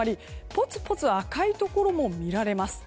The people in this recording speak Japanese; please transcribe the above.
ぽつぽつ赤いところも見られます。